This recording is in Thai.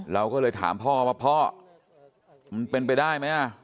เราก็เลยถามพ่อว่าพ่อมันเป็นไปได้ไหม